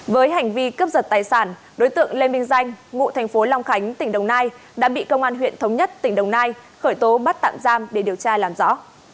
với hành vi cướp giật tài sản đối tượng lên bình danh ngụ tp long khánh tỉnh đồng nai đã bị công an huyện thống nhất tỉnh đồng nai khởi tố bắt tạm giam để điều tra làm rõ